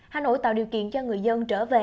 hà nội tạo điều kiện cho người dân trở về